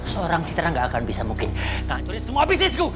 seorang citra gak akan bisa mungkin ngancurin semua bisnisku